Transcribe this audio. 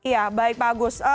ya baik pak agus